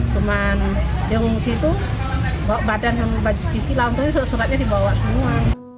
cuman di rumah itu bawa badan baju sikil lantung surat suratnya dibawa semua